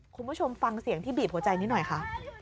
คุณผู้ชมฟังเสียงที่บีบหัวใจนิดหน่อยค่ะ